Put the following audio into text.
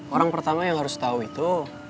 orang pertama yang harus tahu itu